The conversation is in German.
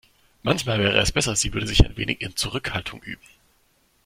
Manchmal wäre es besser, sie würde sich ein wenig in Zurückhaltung üben.